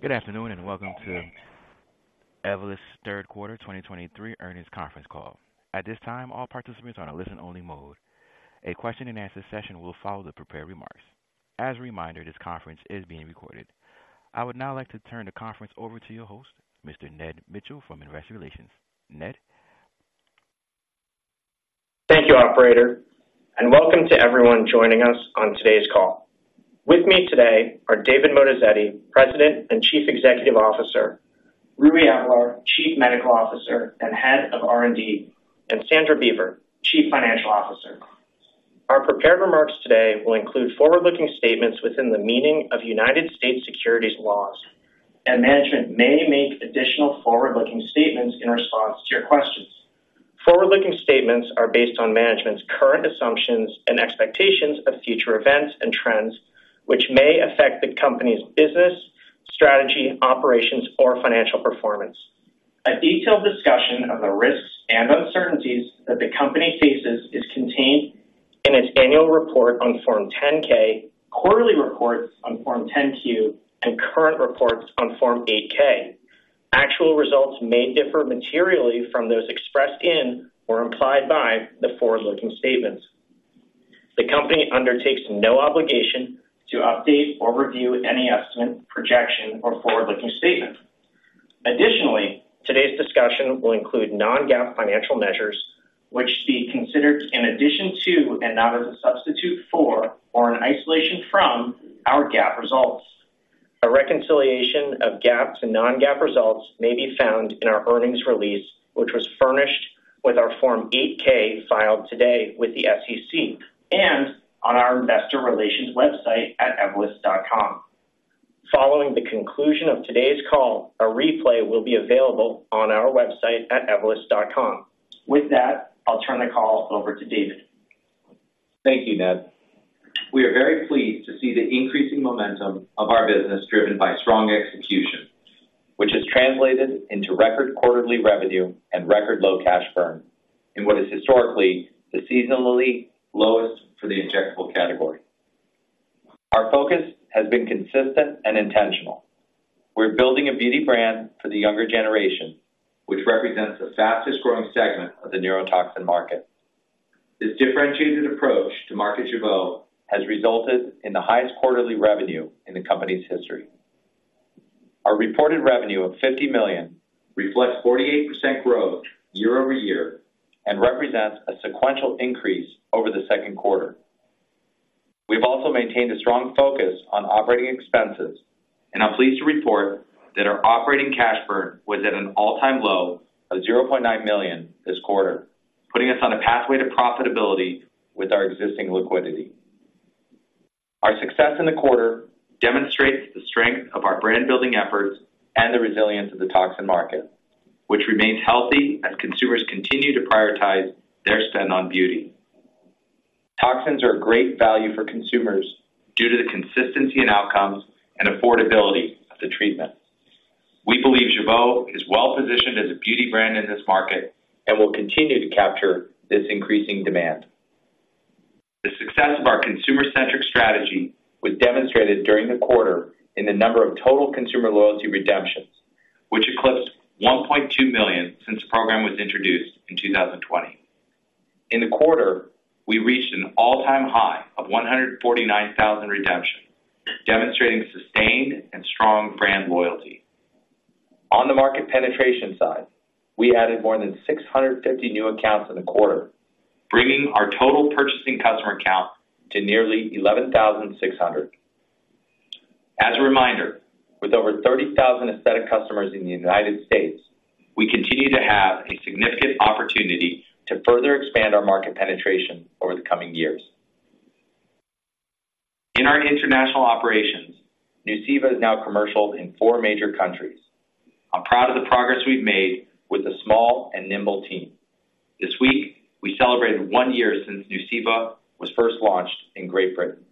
Good afternoon, and welcome to Evolus's third quarter 2023 earnings conference call. At this time, all participants are on a listen-only mode. A question and answer session will follow the prepared remarks. As a reminder, this conference is being recorded. I would now like to turn the conference over to your host, Mr. Ned Mitchell, from Investor Relations. Ned? Thank you, operator, and welcome to everyone joining us on today's call. With me today are David Moatazedi, President and Chief Executive Officer, Rui Avelar, Chief Medical Officer and Head of R&D, and Sandra Beaver, Chief Financial Officer. Our prepared remarks today will include forward-looking statements within the meaning of United States securities laws, and management may make additional forward-looking statements in response to your questions. Forward-looking statements are based on management's current assumptions and expectations of future events and trends, which may affect the company's business, strategy, operations, or financial performance. A detailed discussion of the risks and uncertainties that the company faces is contained in its annual report on Form 10-K, quarterly reports on Form 10-Q, and current reports on Form 8-K. Actual results may differ materially from those expressed in or implied by the forward-looking statements. The company undertakes no obligation to update or review any estimate, projection, or forward-looking statement. Additionally, today's discussion will include non-GAAP financial measures, which should be considered in addition to and not as a substitute for or an isolation from our GAAP results. A reconciliation of GAAP to non-GAAP results may be found in our earnings release, which was furnished with our Form 8-K filed today with the SEC, and on our investor relations website at evolus.com. Following the conclusion of today's call, a replay will be available on our website at evolus.com. With that, I'll turn the call over to David. Thank you, Ned. We are very pleased to see the increasing momentum of our business, driven by strong execution, which has translated into record quarterly revenue and record low cash burn in what is historically the seasonally lowest for the injectable category. Our focus has been consistent and intentional. We're building a beauty brand for the younger generation, which represents the fastest growing segment of the neurotoxin market. This differentiated approach to market Jeuveau has resulted in the highest quarterly revenue in the company's history. Our reported revenue of $50 million reflects 48% growth year-over-year and represents a sequential increase over the second quarter. We've also maintained a strong focus on operating expenses and are pleased to report that our operating cash burn was at an all-time low of $0.9 million this quarter, putting us on a pathway to profitability with our existing liquidity. Our success in the quarter demonstrates the strength of our brand-building efforts and the resilience of the toxin market, which remains healthy as consumers continue to prioritize their spend on beauty. Toxins are a great value for consumers due to the consistency in outcomes and affordability of the treatment. We believe Jeuveau is well positioned as a beauty brand in this market and will continue to capture this increasing demand. The success of our consumer-centric strategy was demonstrated during the quarter in the number of total consumer loyalty redemptions, which eclipsed 1.2 million since the program was introduced in 2020. In the quarter, we reached an all-time high of 149,000 redemptions, demonstrating sustained and strong brand loyalty. On the market penetration side, we added more than 650 new accounts in the quarter, bringing our total purchasing customer count to nearly 11,600. As a reminder, with over 30,000 aesthetic customers in the United States, we continue to have a significant opportunity to further expand our market penetration over the coming years. In our international operations, Nuceiva is now commercial in four major countries. I'm proud of the progress we've made with a small and nimble team. This week, we celebrated one year since Nuceiva was first launched in Great Britain.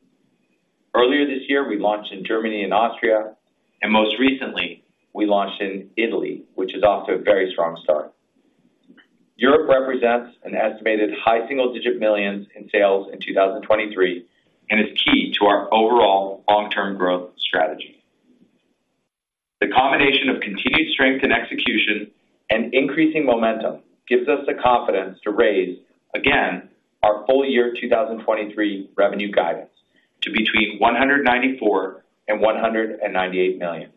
Earlier this year, we launched in Germany and Austria, and most recently, we launched in Italy, which is off to a very strong start. Europe represents an estimated high single-digit millions in sales in 2023 and is key to our overall long-term growth strategy. The combination of continued strength and execution and increasing momentum gives us the confidence to raise, again, our full year 2023 revenue guidance to between $194 million and $198 million.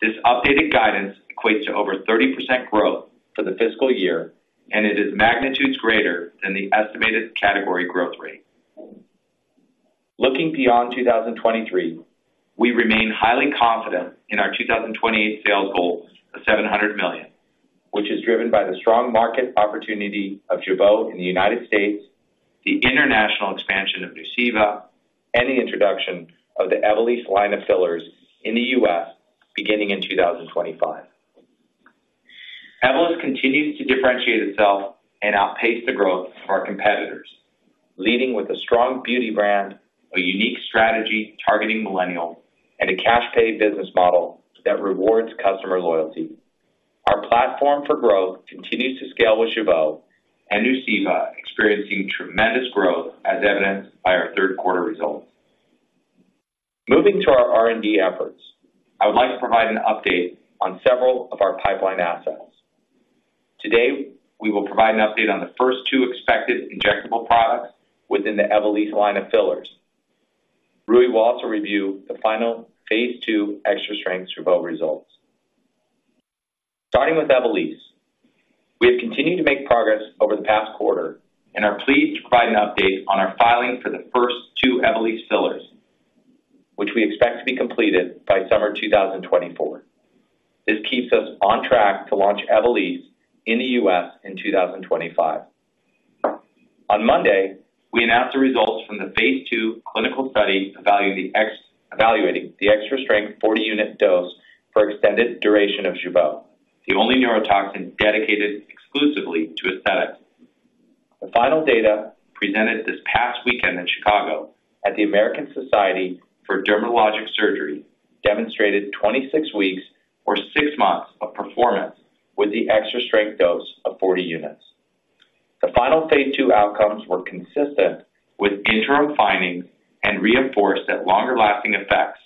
This updated guidance equates to over 30% growth for the fiscal year, and it is magnitudes greater than the estimated category growth rate. Looking beyond 2023, we remain highly confident in our 2028 sales goal of $700 million, which is driven by the strong market opportunity of Jeuveau in the United States, the international expansion of Nuceiva, and the introduction of the Evolus line of fillers in the U.S. beginning in 2025. Evolus continues to differentiate itself and outpace the growth of our competitors, leading with a strong beauty brand, a unique strategy targeting millennials, and a cash pay business model that rewards customer loyalty...Our platform for growth continues to scale with Jeuveau and Nuceiva, experiencing tremendous growth as evidenced by our third quarter results. Moving to our R&D efforts, I would like to provide an update on several of our pipeline assets. Today, we will provide an update on the first two expected injectable products within the Evolysse line of fillers. Rui will also review the final Phase II extra strength Jeuveau results. Starting with Evolysse, we have continued to make progress over the past quarter and are pleased to provide an update on our filing for the first two Evolysse fillers, which we expect to be completed by summer 2024. This keeps us on track to launch Evolysse in the US in 2025. On Monday, we announced the results from the Phase II clinical study, evaluating the extra-strength 40-unit dose for extended duration of Jeuveau, the only neurotoxin dedicated exclusively to aesthetics. The final data, presented this past weekend in Chicago at the American Society for Dermatologic Surgery, demonstrated 26 weeks or 6 months of performance with the extra-strength dose of 40 units. The final Phase II outcomes were consistent with interim findings and reinforced that longer-lasting effects,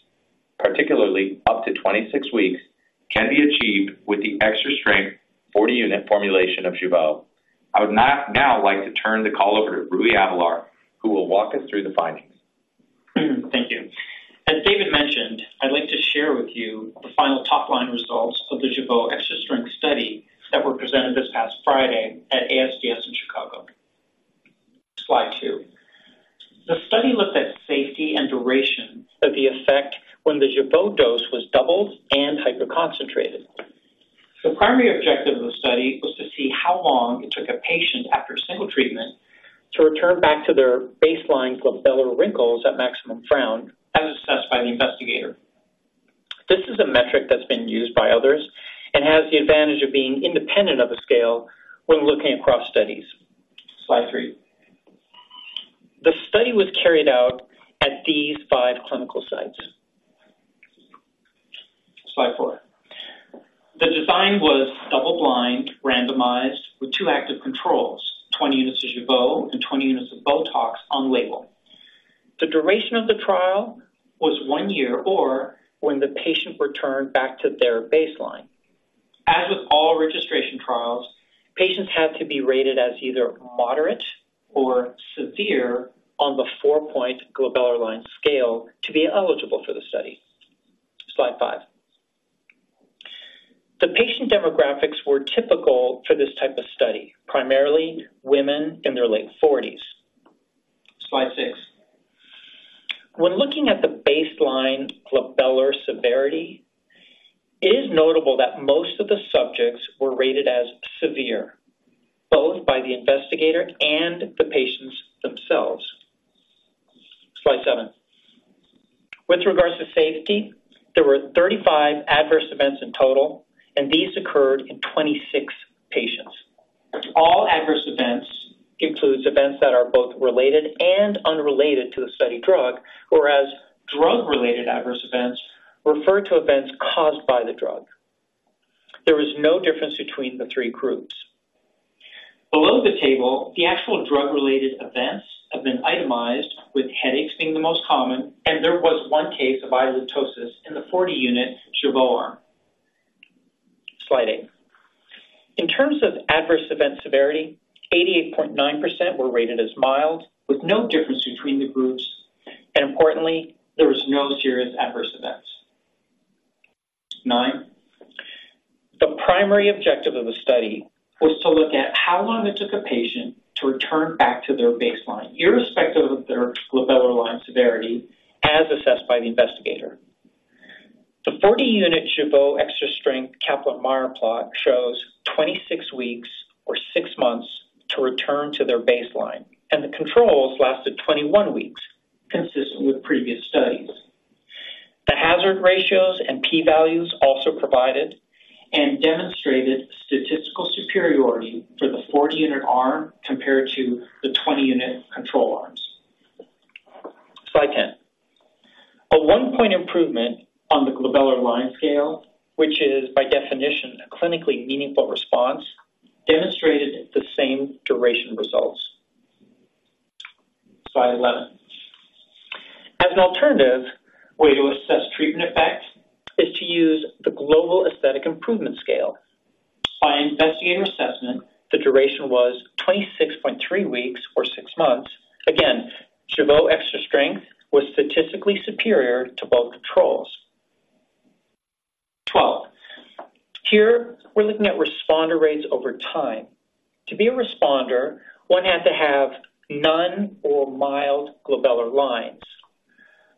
particularly up to 26 weeks, can be achieved with the extra-strength 40-unit formulation of Jeuveau. I would now like to turn the call over to Rui Avelar, who will walk us through the findings. Thank you. As David mentioned, I'd like to share with you the final top-line results of the Jeuveau extra-strength study that were presented this past Friday at ASDS in Chicago. Slide two. The study looked at safety and duration of the effect when the Jeuveau dose was doubled and hyper concentrated. The primary objective of the study was to see how long it took a patient after a single treatment to return back to their baseline glabellar wrinkles at maximum frown, as assessed by the investigator. This is a metric that's been used by others and has the advantage of being independent of a scale when looking across studies. Slide three. The study was carried out at these five clinical sites. Slide four. The design was double-blind, randomized, with two active controls, 20 units of Jeuveau and 20 units of Botox on label. The duration of the trial was one year or when the patient returned back to their baseline. As with all registration trials, patients had to be rated as either moderate or severe on the four-point Glabellar Line Scale to be eligible for the study. Slide five. The patient demographics were typical for this type of study, primarily women in their late forties. Slide six. When looking at the baseline glabellar severity, it is notable that most of the subjects were rated as severe, both by the investigator and the patients themselves. Slide 7. With regards to safety, there were 35 adverse events in total, and these occurred in 26 patients. All adverse events includes events that are both related and unrelated to the study drug, whereas drug-related adverse events refer to events caused by the drug. There was no difference between the three groups. Below the table, the actual drug-related events have been itemized, with headaches being the most common, and there was one case of eyelid ptosis in the 40-unit Jeuveau arm. Slide eight. In terms of adverse event severity, 88.9% were rated as mild, with no difference between the groups, and importantly, there was no serious adverse events. nine. The primary objective of the study was to look at how long it took a patient to return back to their baseline, irrespective of their glabellar line severity, as assessed by the investigator. The 40-unit Jeuveau extra-strength Kaplan-Meier plot shows 26 weeks or 6 months to return to their baseline, and the controls lasted 21 weeks, consistent with previous studies. The hazard ratios and p-values also provided and demonstrated statistical superiority for the 40-unit arm compared to the 20-unit control arms. Slide 10. A 1-point improvement on the Glabellar Line Scale, which is, by definition, a clinically meaningful response, demonstrated the same duration results. Slide 11. As an alternative way to assess treatment effect is to use the Global Aesthetic Improvement Scale. By investigator assessment, the duration was 26.3 weeks or six months. Again, Jeuveau extra strength was statistically superior to both controls. 12. Here, we're looking at responder rates over time. To be a responder, one had to have none or mild glabellar lines.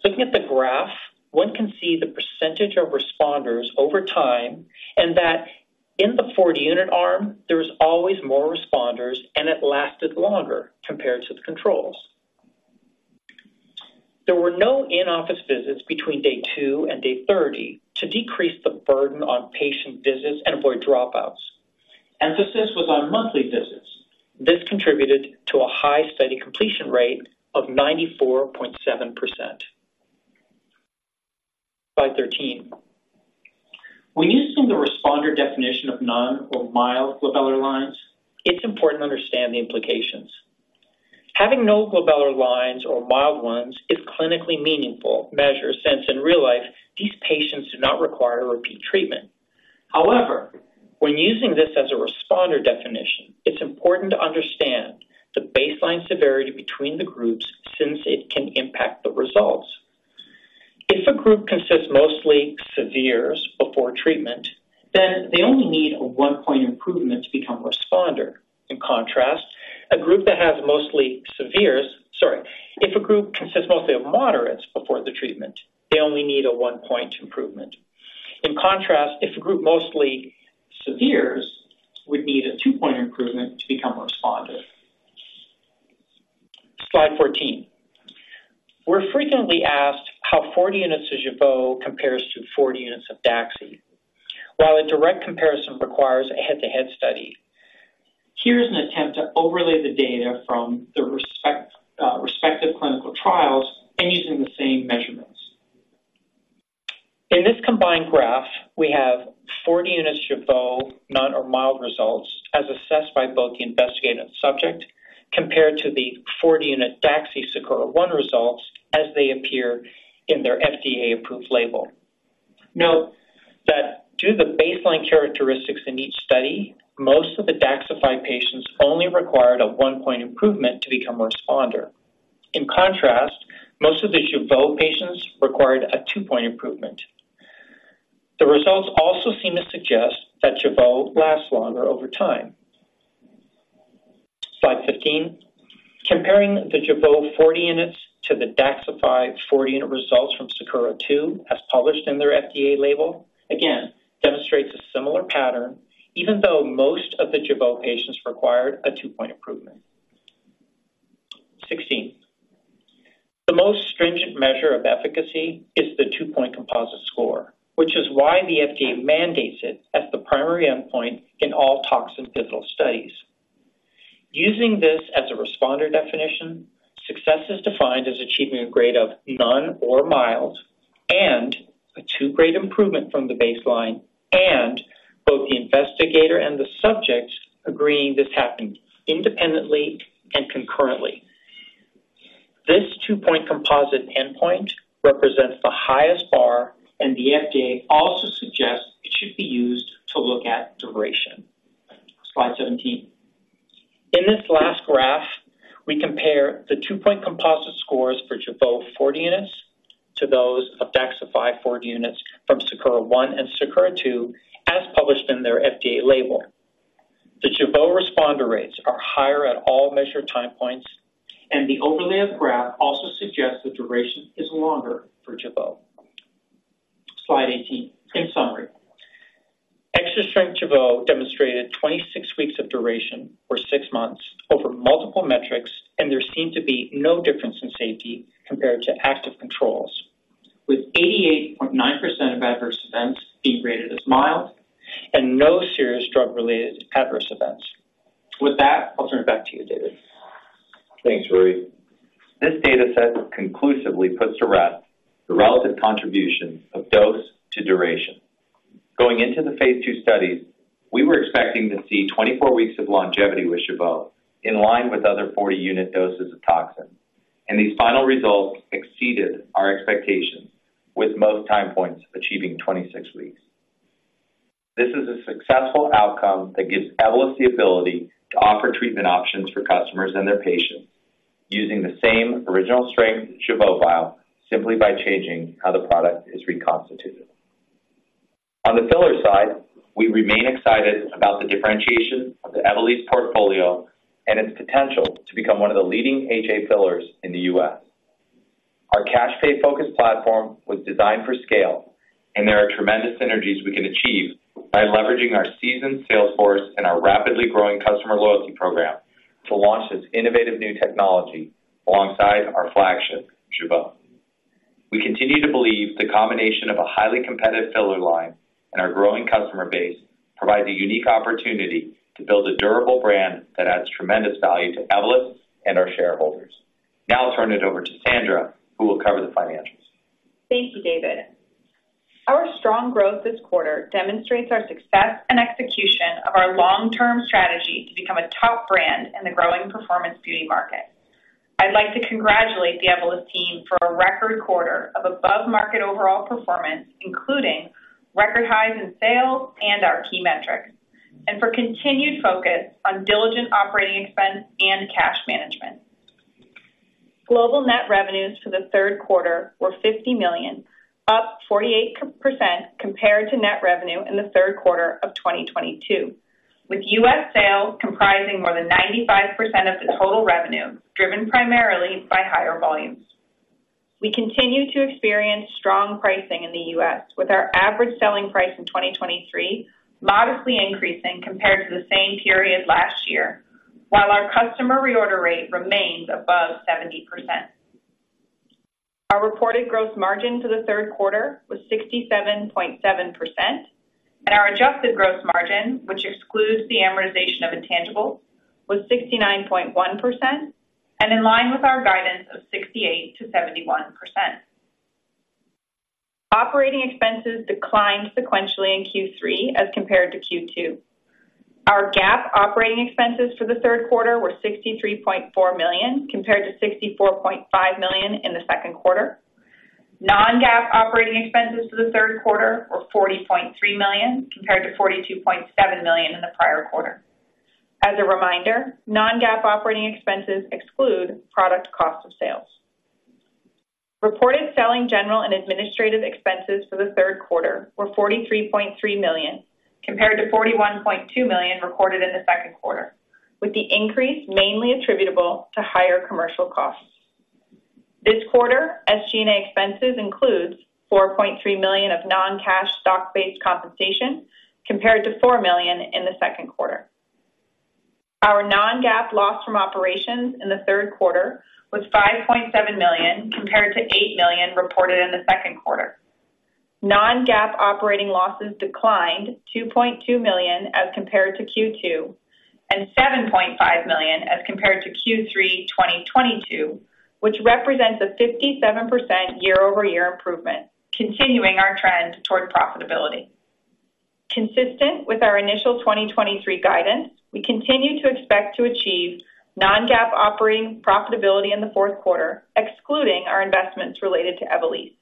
Looking at the graph, one can see the percentage of responders over time and that in the 40-unit arm, there was always more responders, and it lasted longer compared to the controls. There were no in-office visits between day two and day 30 to decrease the burden on patient visits and avoid dropouts. Emphasis was on monthly visits. This contributed to a high study completion rate of 94.7%.... Slide 13. When using the responder definition of none or mild glabellar lines, it's important to understand the implications. Having no glabellar lines or mild ones is clinically meaningful measure, since in real life, these patients do not require a repeat treatment. However, when using this as a responder definition, it's important to understand the baseline severity between the groups since it can impact the results. If a group consists mostly severes before treatment, then they only need a 1-point improvement to become responder. In contrast, a group that has mostly severes -- sorry, if a group consists mostly of moderates before the treatment, they only need a 1-point improvement. In contrast, if a group mostly severes, would need a 2-point improvement to become responded. Slide 14. We're frequently asked how 40 units of Jeuveau compares to 40 units of DAXXIFY. While a direct comparison requires a head-to-head study, here's an attempt to overlay the data from the respective clinical trials and using the same measurements. In this combined graph, we have 40 units Jeuveau, none or mild results, as assessed by both the investigator and subject, compared to the 40-unit DAXXIFY SAKURA-1 results as they appear in their FDA-approved label. Note that due to the baseline characteristics in each study, most of the DAXXIFY patients only required a 1-point improvement to become responder. In contrast, most of the Jeuveau patients required a 2-point improvement. The results also seem to suggest that Jeuveau lasts longer over time. Slide 15. Comparing the Jeuveau 40 units to the DAXXIFY 40-unit results from SAKURA 2, as published in their FDA label, again, demonstrates a similar pattern, even though most of the Jeuveau patients required a 2-point improvement. 16. The most stringent measure of efficacy is the 2-point composite score, which is why the FDA mandates it as the primary endpoint in all toxin pivotal studies. Using this as a responder definition, success is defined as achieving a grade of none or mild, and a 2-grade improvement from the baseline, and both the investigator and the subject agreeing this happened independently and concurrently. This 2-point composite endpoint represents the highest bar, and the FDA also suggests it should be used to look at duration. Slide 17. In this last graph, we compare the 2-point composite scores for Jeuveau 40 units to those of DAXXIFY 40 units from SAKURA One and SAKURA Two, as published in their FDA label. The Jeuveau responder rates are higher at all measured time points, and the overlay of the graph also suggests the duration is longer for Jeuveau. Slide 18. In summary, extra-strength Jeuveau demonstrated 26 weeks of duration, or 6 months, over multiple metrics, and there seemed to be no difference in safety compared to active controls, with 88.9% of adverse events being rated as mild and no serious drug-related adverse events. With that, I'll turn it back to you, David. Thanks, Rui. This data set conclusively puts to rest the relative contribution of dose to duration. Going into the phase two studies, we were expecting to see 24 weeks of longevity with Jeuveau, in line with other 40-unit doses of toxin, and these final results exceeded our expectations, with most time points achieving 26 weeks. This is a successful outcome that gives Evolus the ability to offer treatment options for customers and their patients, using the same original strength Jeuveau vial simply by changing how the product is reconstituted. On the filler side, we remain excited about the differentiation of the Evolus portfolio and its potential to become one of the leading HA fillers in the U.S. Our cash pay-focused platform was designed for scale, and there are tremendous synergies we can achieve by leveraging our seasoned sales force and our rapidly growing customer loyalty program to launch this innovative new technology alongside our flagship, Jeuveau. We continue to believe the combination of a highly competitive filler line and our growing customer base provides a unique opportunity to build a durable brand that adds tremendous value to Evolus and our shareholders. Now I'll turn it over to Sandra, who will cover the financials. Thank you, David. Our strong growth this quarter demonstrates our success and execution of our long-term strategy to become a top brand in the growing performance beauty market. I'd like to congratulate the Evolus team for a record quarter of above-market overall performance, including record highs in sales and our key metrics, and for continued focus on diligent operating expense and cash management. Global net revenues for the third quarter were $50 million, up 48% compared to net revenue in the third quarter of 2022, with U.S. sales comprising more than 95% of the total revenue, driven primarily by higher volumes. We continue to experience strong pricing in the U.S., with our average selling price in 2023 modestly increasing compared to the same period last year, while our customer reorder rate remains above 70%. Our reported gross margin for the third quarter was 67.7%. Our adjusted gross margin, which excludes the amortization of intangibles, was 69.1% and in line with our guidance of 68%-71%. Operating expenses declined sequentially in Q3 as compared to Q2. Our GAAP operating expenses for the third quarter were $63.4 million, compared to $64.5 million in the second quarter. Non-GAAP operating expenses for the third quarter were $40.3 million, compared to $42.7 million in the prior quarter. As a reminder, non-GAAP operating expenses exclude product cost of sales. Reported selling, general, and administrative expenses for the third quarter were $43.3 million, compared to $41.2 million recorded in the second quarter, with the increase mainly attributable to higher commercial costs. This quarter, SG&A expenses includes $4.3 million of non-cash stock-based compensation, compared to $4 million in the second quarter. Our non-GAAP loss from operations in the third quarter was $5.7 million, compared to $8 million reported in the second quarter. Non-GAAP operating losses declined $2.2 million as compared to Q2 and $7.5 million as compared to Q3 2022, which represents a 57% year-over-year improvement, continuing our trend toward profitability. Consistent with our initial 2023 guidance, we continue to expect to achieve non-GAAP operating profitability in the fourth quarter, excluding our investments related to Evolysse.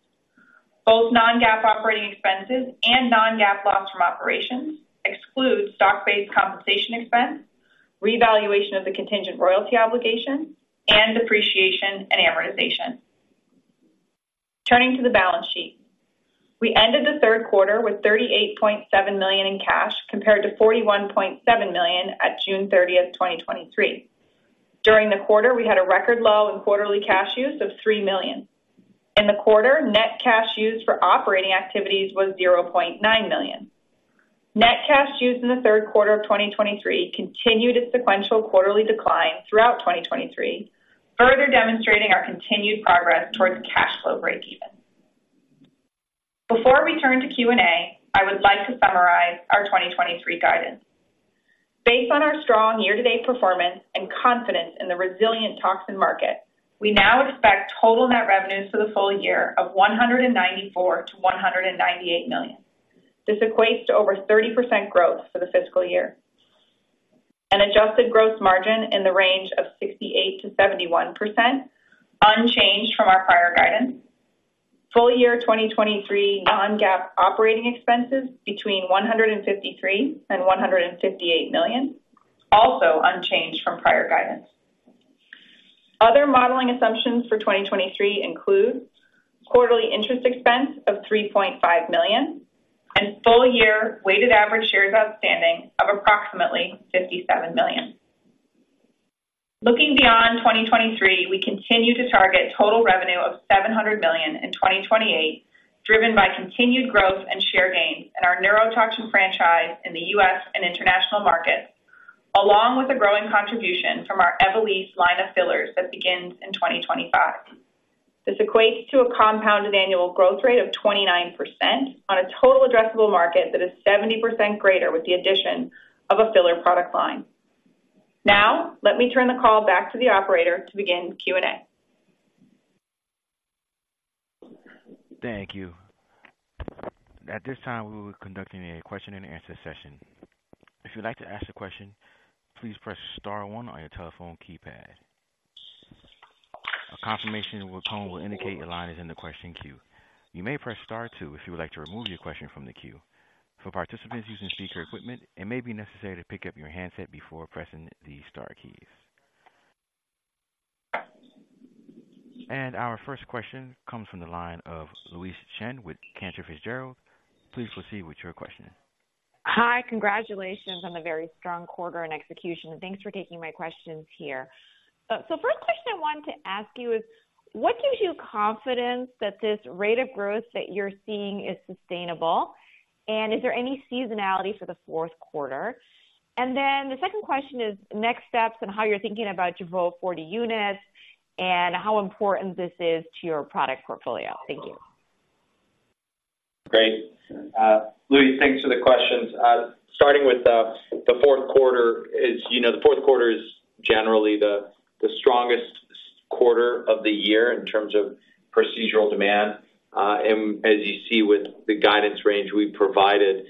Both non-GAAP operating expenses and non-GAAP loss from operations exclude stock-based compensation expense, revaluation of the contingent royalty obligation, and depreciation and amortization. Turning to the balance sheet. We ended the third quarter with $38.7 million in cash, compared to $41.7 million at June 30, 2023. During the quarter, we had a record low in quarterly cash use of $3 million. In the quarter, net cash used for operating activities was $0.9 million. Net cash used in the third quarter of 2023 continued a sequential quarterly decline throughout 2023, further demonstrating our continued progress towards cash flow breakeven. Before we turn to Q&A, I would like to summarize our 2023 guidance. Based on our strong year-to-date performance and confidence in the resilient toxin market, we now expect total net revenues for the full year of $194 million-$198 million. This equates to over 30% growth for the fiscal year. An adjusted gross margin in the range of 68%-71%, unchanged from our prior guidance. Full year 2023 non-GAAP operating expenses between $153 million and $158 million, also unchanged from prior guidance. Other modeling assumptions for 2023 include quarterly interest expense of $3.5 million and full year weighted average shares outstanding of approximately 57 million. Looking beyond 2023, we continue to target total revenue of $700 million in 2028, driven by continued growth and share gains in our neurotoxin franchise in the U.S. and international markets, along with a growing contribution from our Evolysse line of fillers that begins in 2025. This equates to a compounded annual growth rate of 29% on a total addressable market that is 70% greater with the addition of a filler product line. Now, let me turn the call back to the operator to begin Q&A. Thank you. At this time, we will be conducting a question and answer session. If you'd like to ask a question, please press star one on your telephone keypad. A confirmation tone will indicate your line is in the question queue. You may press star two if you would like to remove your question from the queue. For participants using speaker equipment, it may be necessary to pick up your handset before pressing the star keys. Our first question comes from the line of Louise Chen with Cantor Fitzgerald. Please proceed with your question. Hi, congratulations on a very strong quarter and execution, and thanks for taking my questions here. So first question I wanted to ask you is: what gives you confidence that this rate of growth that you're seeing is sustainable, and is there any seasonality for the fourth quarter? And then the second question is next steps and how you're thinking about Jeuveau 40 units and how important this is to your product portfolio. Thank you. Great. Louise, thanks for the questions. Starting with the fourth quarter. As you know, the fourth quarter is generally the strongest quarter of the year in terms of procedural demand. And as you see with the guidance range we've provided,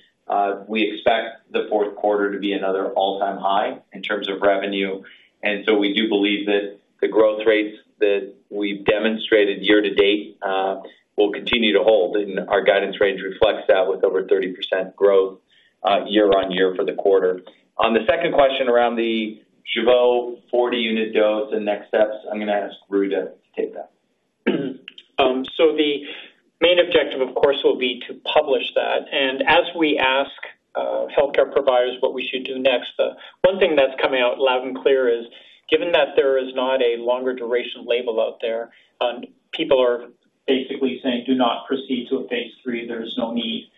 we expect the fourth quarter to be another all-time high in terms of revenue. And so we do believe that the growth rates that we've demonstrated year to date will continue to hold, and our guidance range reflects that with over 30% growth year-over-year for the quarter. On the second question around the Jeuveau 40-unit dose and next steps, I'm going to ask Ru to take that. So the main objective, of course, will be to publish that. And as we ask healthcare providers what we should do next, one thing that's coming out loud and clear is, given that there is not a longer duration label out there, people are basically saying, "Do not proceed to a Phase III. There's no need."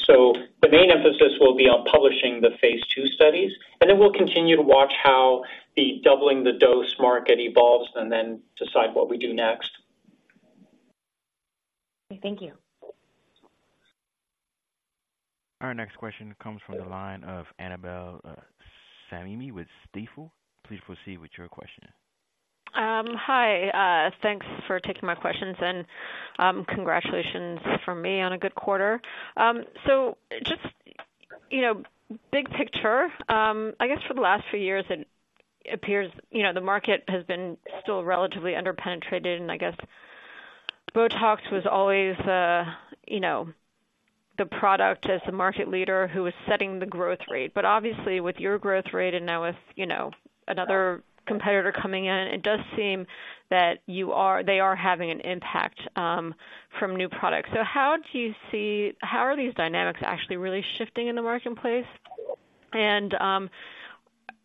So the main emphasis will be on publishing the phase II studies, and then we'll continue to watch how the doubling the dose market evolves and then decide what we do next. Thank you. Our next question comes from the line of Annabel Samimy with Stifel. Please proceed with your question. Hi, thanks for taking my questions, and congratulations from me on a good quarter. So just, you know, big picture, I guess for the last few years, it appears, you know, the market has been still relatively underpenetrated, and I guess Botox was always the, you know, the product as the market leader who was setting the growth rate. But obviously, with your growth rate and now with, you know, another competitor coming in, it does seem that you are, they are having an impact from new products. So how do you see... How are these dynamics actually really shifting in the marketplace? And,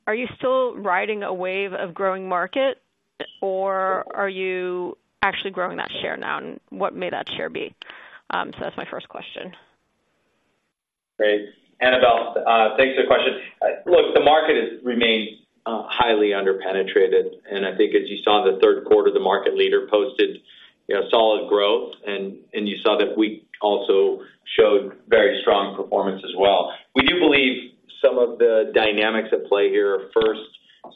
are you still riding a wave of growing market, or are you actually growing that share now, and what may that share be? So that's my first question. Great. Annabel, thanks for the question. Look, the market has remained highly underpenetrated, and I think as you saw in the third quarter, the market leader posted, you know, solid growth, and you saw that we also showed very strong performance as well. We do believe some of the dynamics at play here are first,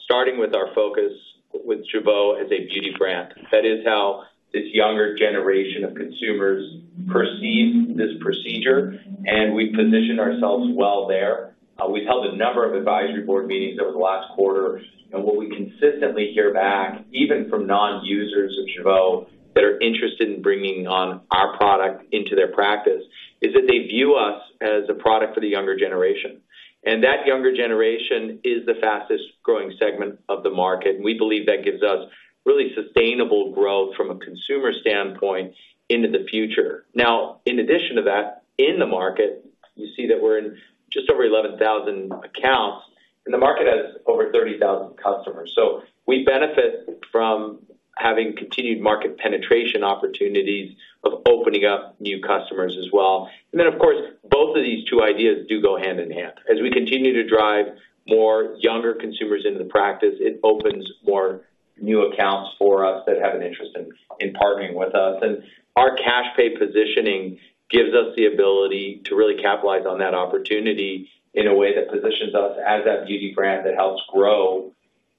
starting with our focus with Jeuveau as a beauty brand. That is how this younger generation of consumers perceive this procedure, and we've positioned ourselves well there. We've held a number of advisory board meetings over the last quarter, and what we consistently hear back, even from non-users of Jeuveau that are interested in bringing on our product into their practice, is that they view us as a product for the younger generation. And that younger generation is the fastest growing segment of the market. We believe that gives us really sustainable growth from a consumer standpoint into the future. Now, in addition to that, in the market, you see that we're in just over 11,000 accounts, and the market has over 30,000 customers. So we benefit from having continued market penetration opportunities of opening up new customers as well. And then, of course, both of these two ideas do go hand in hand. As we continue to drive more younger consumers into the practice, it opens more new accounts for us that have an interest in, in partnering with us. And our cash pay positioning gives us the ability to really capitalize on that opportunity in a way that positions us as that beauty brand that helps grow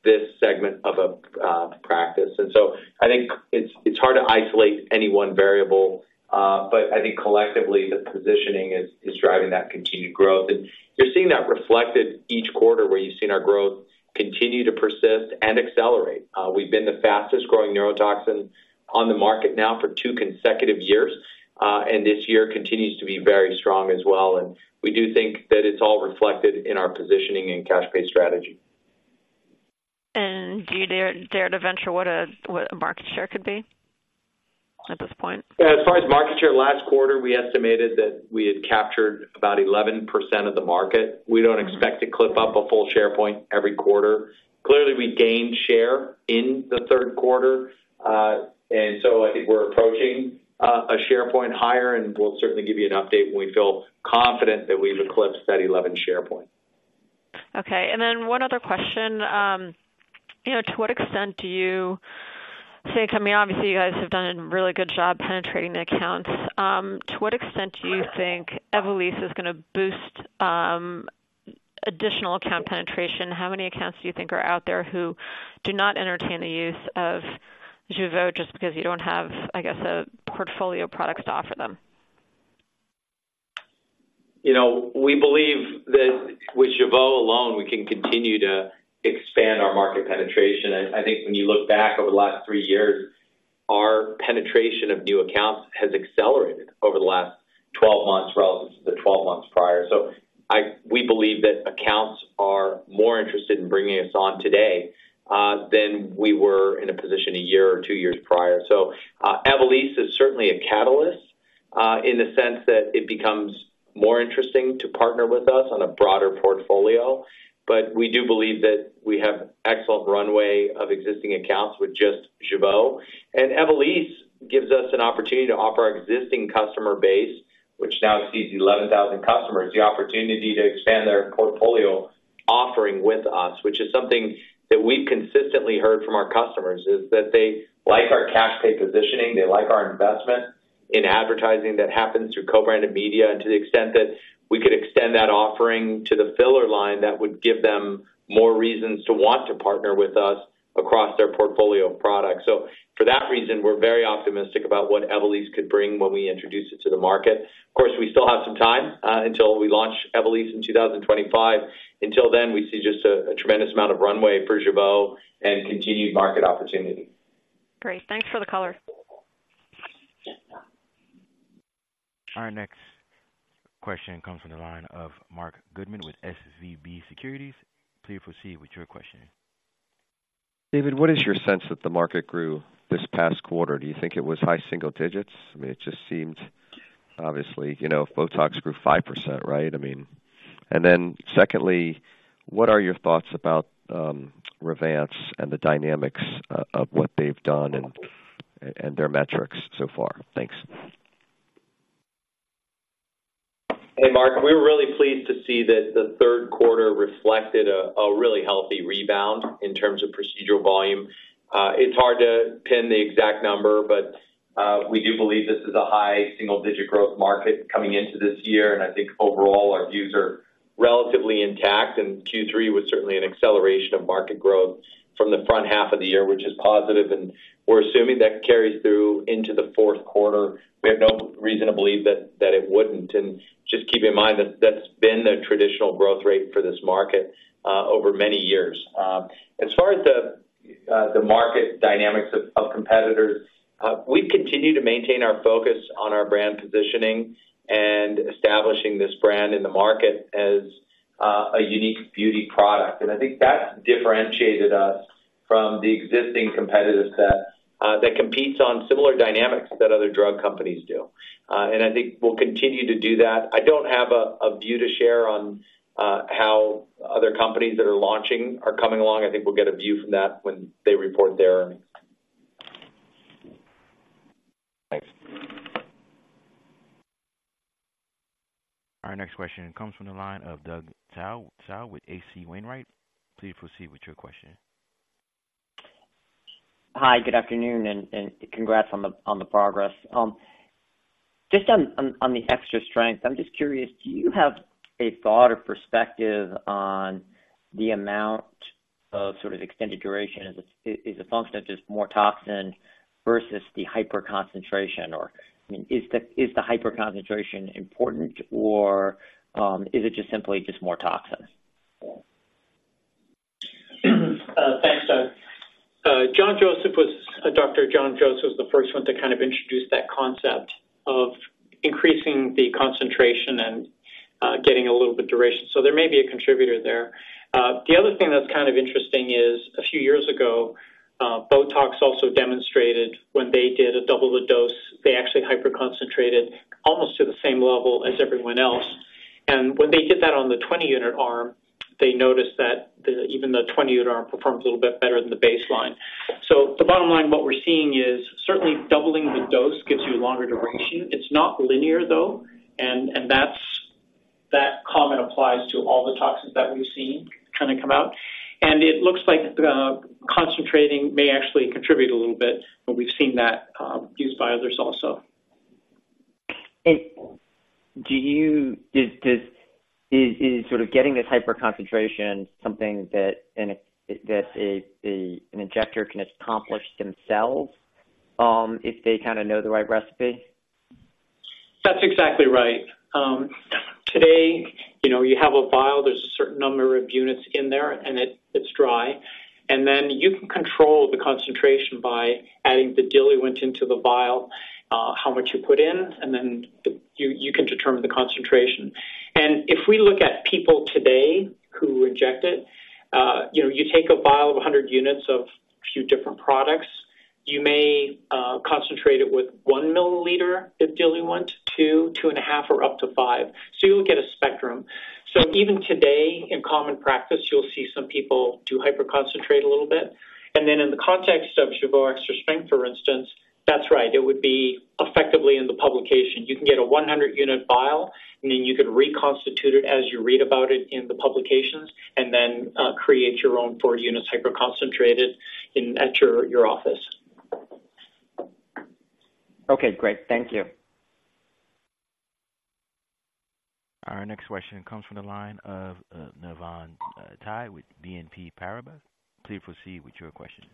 this segment of a practice. And so I think it's, it's hard to isolate any one variable, but I think collectively, the positioning is, is driving that continued growth. And you're seeing that reflected each quarter, where you've seen our growth continue to persist and accelerate. We've been the fastest growing neurotoxin on the market now for two consecutive years, and this year continues to be very strong as well. And we do think that it's all reflected in our positioning and cash pay strategy. Do you dare to venture what a market share could be at this point? As far as market share, last quarter, we estimated that we had captured about 11% of the market. We don't expect to clip up a full share point every quarter. Clearly, we gained share in the third quarter, and so I think we're approaching a share point higher, and we'll certainly give you an update when we feel confident that we've eclipsed that 11 share point. Okay. And then one other question, you know, to what extent do you think, I mean, obviously, you guys have done a really good job penetrating the accounts. To what extent do you think Evolus is going to boost additional account penetration? How many accounts do you think are out there who do not entertain the use of Jeuveau just because you don't have, I guess, a portfolio of products to offer them? You know, we believe that with Jeuveau alone, we can continue to expand our market penetration. I think when you look back over the last three years, our penetration of new accounts has accelerated over the last 12 months relative to the 12 months prior. So we believe that accounts are more interested in bringing us on today than we were in a position a year or two years prior. So, Evolus is certainly a catalyst in the sense that it becomes more interesting to partner with us on a broader portfolio. But we do believe that we have excellent runway of existing accounts with just Jeuveau. And Evolus gives us an opportunity to offer our existing customer base, which now exceeds 11,000 customers, the opportunity to expand their portfolio offering with us, which is something that we've consistently heard from our customers, is that they like our cash pay positioning, they like our investment in advertising that happens through co-branded media, and to the extent that we could extend that offering to the filler line, that would give them more reasons to want to partner with us across their portfolio of products. So for that reason, we're very optimistic about what Evolus could bring when we introduce it to the market. Of course, we still have some time until we launch Evolysse in 2025. Until then, we see just a tremendous amount of runway for Jeuveau and continued market opportunity. Great. Thanks for the color. Our next question comes from the line of Marc Goodman with SVB Securities. Please proceed with your question. David, what is your sense that the market grew this past quarter? Do you think it was high single digits? I mean, it just seemed obviously, you know, Botox grew 5%, right? I mean... And then secondly, what are your thoughts about Revance and the dynamics of what they've done and their metrics so far? Thanks.... Hey, Marc, we're really pleased to see that the third quarter reflected a really healthy rebound in terms of procedural volume. It's hard to pin the exact number, but we do believe this is a high single-digit growth market coming into this year. I think overall, our views are relatively intact, and Q3 was certainly an acceleration of market growth from the front half of the year, which is positive, and we're assuming that carries through into the fourth quarter. We have no reason to believe that it wouldn't. Just keep in mind that that's been the traditional growth rate for this market over many years. As far as the market dynamics of competitors, we continue to maintain our focus on our brand positioning and establishing this brand in the market as a unique beauty product. I think that's differentiated us from the existing competitive set that competes on similar dynamics that other drug companies do. I think we'll continue to do that. I don't have a view to share on how other companies that are launching are coming along. I think we'll get a view from that when they report their earnings. Thanks. Our next question comes from the line of Doug Tsao, Tsao with H.C. Wainwright. Please proceed with your question. Hi, good afternoon, and congrats on the progress. Just on the extra strength, I'm just curious, do you have a thought or perspective on the amount of sort of extended duration? Is it the function of just more toxin versus the hyper concentration, or I mean, is the hyper concentration important, or is it just simply just more toxins? Thanks, Doug. Dr. John Joseph was the first one to kind of introduce that concept of increasing the concentration and getting a little bit duration. So there may be a contributor there. The other thing that's kind of interesting is, a few years ago, Botox also demonstrated when they did a double the dose, they actually hyper concentrated almost to the same level as everyone else. And when they did that on the 20-unit arm, they noticed that even the 20-unit arm performs a little bit better than the baseline. So the bottom line, what we're seeing is certainly doubling the dose gives you longer duration. It's not linear, though, and that's that comment applies to all the toxins that we've seen kind of come out. It looks like concentrating may actually contribute a little bit, but we've seen that used by others also. Is sort of getting this hyper concentration something that an injector can accomplish themselves, if they kind of know the right recipe? That's exactly right. Today, you know, you have a vial, there's a certain number of units in there, and it, it's dry. And then you can control the concentration by adding the diluent into the vial, how much you put in, and then you, you can determine the concentration. And if we look at people today who inject it, you know, you take a vial of 100 units of a few different products, you may concentrate it with 1 milliliter of diluent, 2, 2.5, or up to five. So you'll get a spectrum. So even today, in common practice, you'll see some people do hyper concentrate a little bit. And then in the context of Jeuveau extra strength, for instance, that's right, it would be effectively in the publication. You can get a 100-unit vial, and then you could reconstitute it as you read about it in the publications, and then create your own 4 units, hyper concentrate it in at your, your office. Okay, great. Thank you. Our next question comes from the line of, Navann Ty with BNP Paribas. Please proceed with your questions.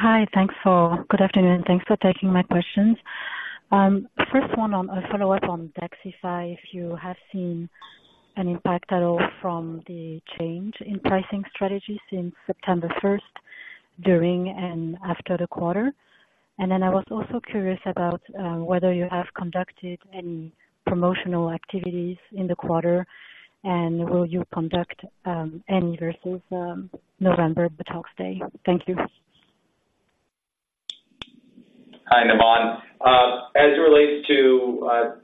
Good afternoon, and thanks for taking my questions. First one, on a follow-up on DAXXIFY, if you have seen an impact at all from the change in pricing strategy since September first, during and after the quarter? And then I was also curious about whether you have conducted any promotional activities in the quarter, and will you conduct any versus November, the talks day? Thank you. Hi, Navann. As it relates to,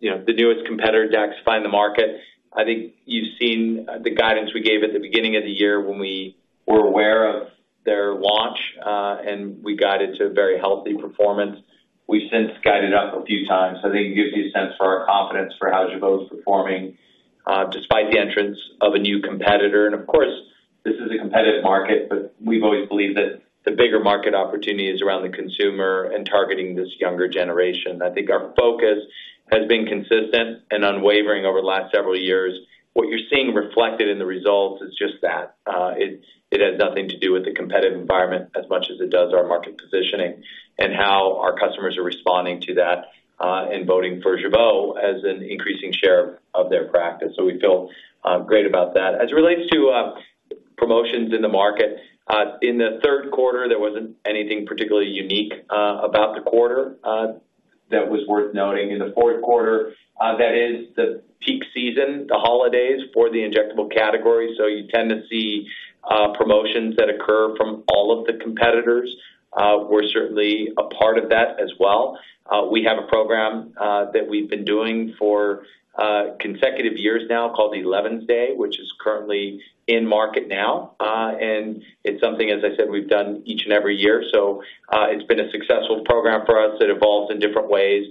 you know, the newest competitor, DAXXIFY, in the market, I think you've seen the guidance we gave at the beginning of the year when we were aware of their launch, and we got into a very healthy performance. We've since guided up a few times. So I think it gives you a sense for our confidence for how Jeuveau is performing, despite the entrance of a new competitor. And of course, this is a competitive market, but we've always believed that the bigger market opportunity is around the consumer and targeting this younger generation. I think our focus has been consistent and unwavering over the last several years. What you're seeing reflected in the results is just that. It has nothing to do with the competitive environment as much as it does our market positioning and how our customers are responding to that, and voting for Jeuveau as an increasing share of their practice. So we feel great about that. As it relates to promotions in the market, in the third quarter, there wasn't anything particularly unique about the quarter that was worth noting. In the fourth quarter, that is the peak season, the holidays for the injectable category. So you tend to see promotions that occur from all of the competitors. We're certainly a part of that as well. We have a program that we've been doing for consecutive years now called 11s Day, which is currently in market now. It's something, as I said, we've done each and every year, so it's been a successful program for us. It evolves in different ways....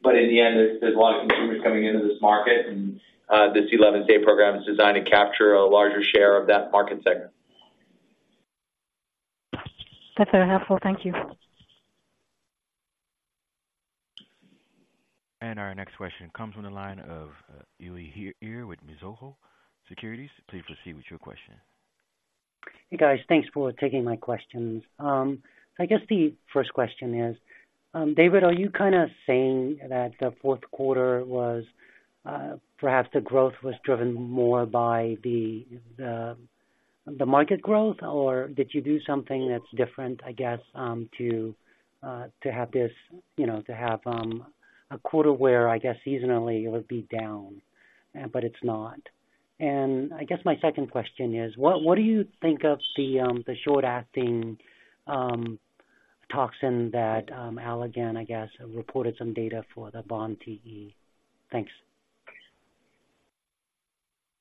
There's a lot of consumers coming into this market, and this 11-day program is designed to capture a larger share of that market segment. That's very helpful. Thank you. Our next question comes from the line of Ryuji Inoue with Mizuho Securities. Please proceed with your question. Hey, guys. Thanks for taking my questions. I guess the first question is, David, are you kind of saying that the fourth quarter was perhaps the growth was driven more by the market growth, or did you do something that's different, I guess, to have this, you know, to have a quarter where I guess seasonally it would be down, but it's not? And I guess my second question is, what do you think of the short-acting toxin that Allergan, I guess, reported some data for the Botox? Thanks.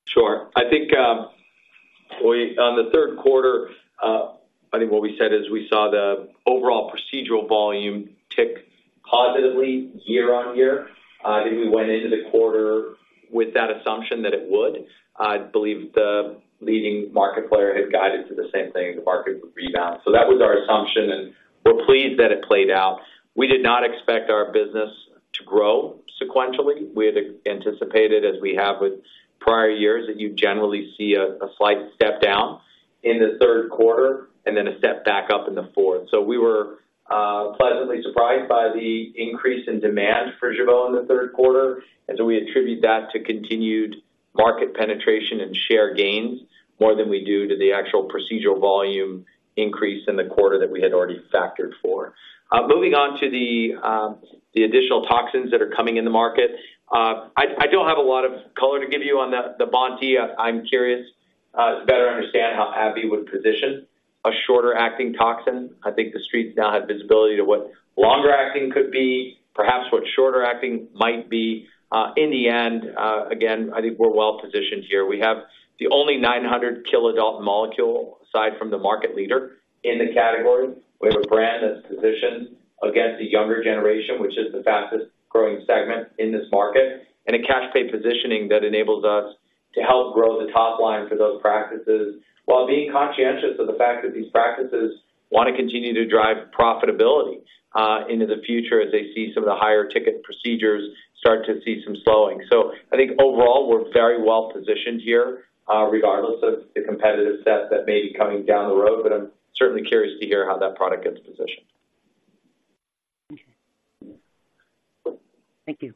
Sure. I think, we, on the third quarter, I think what we said is we saw the overall procedural volume tick positively year-on-year. I think we went into the quarter with that assumption that it would. I believe the leading market player had guided to the same thing, the market would rebound. So that was our assumption, and we're pleased that it played out. We did not expect our business to grow sequentially. We had anticipated, as we have with prior years, that you generally see a slight step down in the third quarter and then a step back up in the fourth. So we were pleasantly surprised by the increase in demand for Jeuveau in the third quarter, and we attribute that to continued market penetration and share gains more than we do to the actual procedural volume increase in the quarter that we had already factored for. Moving on to the additional toxins that are coming in the market. I don't have a lot of color to give you on the BoNT/E. I'm curious to better understand how AbbVie would position a shorter acting toxin. I think the streets now have visibility to what longer acting could be, perhaps what shorter acting might be. In the end, again, I think we're well positioned here. We have the only 900 kDa molecule aside from the market leader in the category. We have a brand that's positioned against the younger generation, which is the fastest growing segment in this market, and a cash pay positioning that enables us to help grow the top line for those practices, while being conscientious of the fact that these practices want to continue to drive profitability, into the future as they see some of the higher ticket procedures start to see some slowing. So I think overall, we're very well positioned here, regardless of the competitive set that may be coming down the road, but I'm certainly curious to hear how that product gets positioned. Okay. Thank you.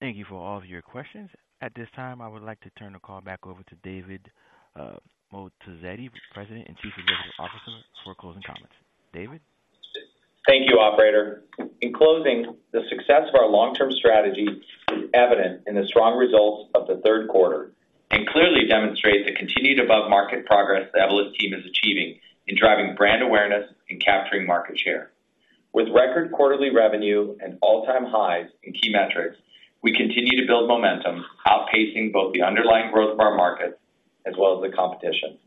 Thank you for all of your questions. At this time, I would like to turn the call back over to David Moatazedi, President and Chief Executive Officer, for closing comments. David? Thank you, operator. In closing, the success of our long-term strategy is evident in the strong results of the third quarter and clearly demonstrates the continued above-market progress the Evolus team is achieving in driving brand awareness and capturing market share. With record quarterly revenue and all-time highs in key metrics, we continue to build momentum, outpacing both the underlying growth of our markets as well as the competition.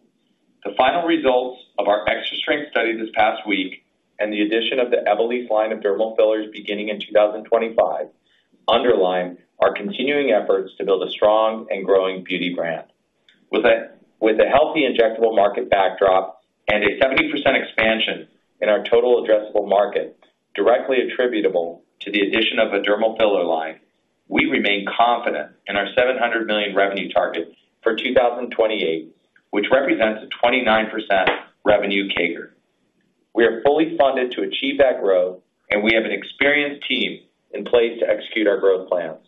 The final results of our extra strength study this past week and the addition of the Evolus line of dermal fillers beginning in 2025, underline our continuing efforts to build a strong and growing beauty brand. With a healthy injectable market backdrop and a 70% expansion in our total addressable market, directly attributable to the addition of a dermal filler line, we remain confident in our $700 million revenue target for 2028, which represents a 29% revenue CAGR. We are fully funded to achieve that growth, and we have an experienced team in place to execute our growth plans.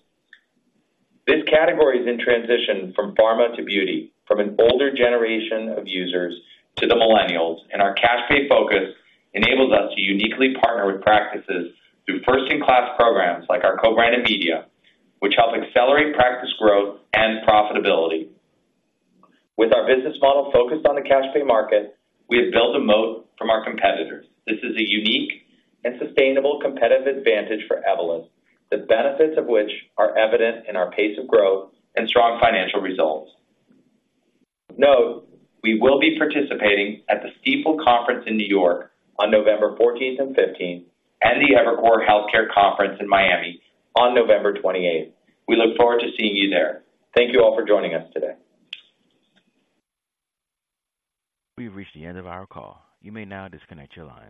This category is in transition from pharma to beauty, from an older generation of users to the millennials, and our cash pay focus enables us to uniquely partner with practices through first-in-class programs like our co-branded media, which help accelerate practice growth and profitability. With our business model focused on the cash pay market, we have built a moat from our competitors. This is a unique and sustainable competitive advantage for Evolus, the benefits of which are evident in our pace of growth and strong financial results. Note: We will be participating at the Stifel Conference in New York on November 14th and 15th, and the Evercore Healthcare Conference in Miami on November 28th. We look forward to seeing you there. Thank you all for joining us today. We've reached the end of our call. You may now disconnect your line.